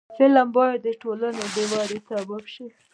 فلم باید د ټولنې د ودې سبب شي